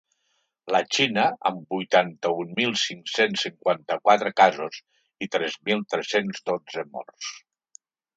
La Xina, amb vuitanta-un mil cinc-cents cinquanta-quatre casos i tres mil tres-cents dotze morts.